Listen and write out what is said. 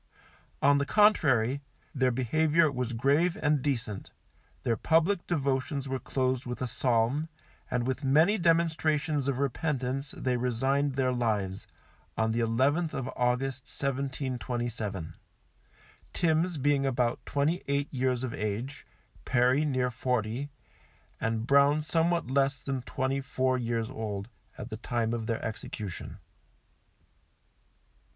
On the contrary, their behaviour was grave and decent, their public devotions were closed with a Psalm, and with many demonstrations of repentance they resigned their lives, on the 11th of August, 1727; Timms being about twenty eight years of age, Perry near forty, and Brown somewhat less than twenty four years old, at the time of their execution.